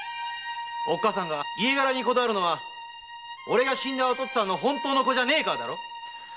おっかさんが家柄にこだわるのは俺が死んだお父っつぁんの本当の子じゃねえからだろ？